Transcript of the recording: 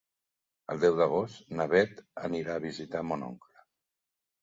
El deu d'agost na Bet anirà a visitar mon oncle.